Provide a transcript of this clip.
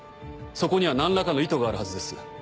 そこには何らかの意図があるはずです。